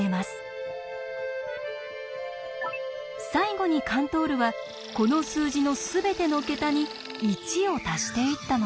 最後にカントールはこの数字のすべての桁に１を足していったのです。